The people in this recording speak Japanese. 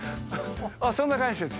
そんな感じです。